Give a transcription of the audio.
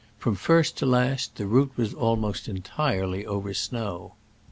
From first to last the route was almost entirely over snow.